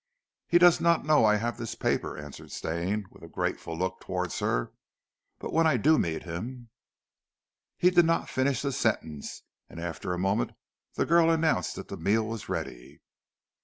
"He does not know I have this paper," answered Stane with a grateful look towards her. "But when I do meet him " He did not finish the sentence, and after a moment the girl announced that the meal was ready.